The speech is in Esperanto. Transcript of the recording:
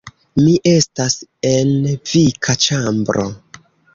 Mi estas en vika ĉambro